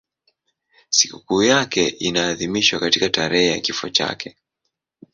Sikukuu yake inaadhimishwa katika tarehe ya kifo chake.